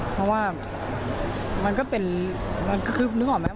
เพราะว่ามันก็เป็นมันคือนึกออกไหม